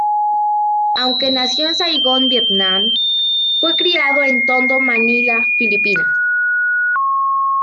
Aunque nació en Saigón, Vietnam, fue criado en Tondo, Manila, Filipinas.